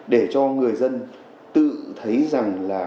để cho người dân tự thấy rằng là